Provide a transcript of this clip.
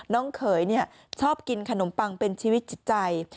น้องเขยชอบกินขนมปังเป็นชีวิตจิตใจ